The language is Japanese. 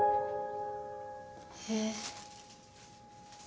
へえ。